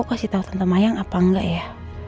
aku kasih tau tentang mayang apa enggak ya